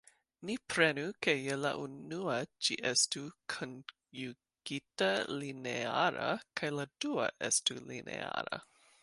Ni prenu ke je la unua ĝi estu konjugita-lineara kaj la dua estu lineara.